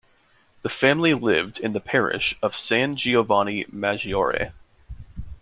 The family lived in the parish of San Giovanni Maggiore.